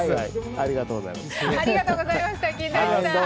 ありがとうございました金田一さん。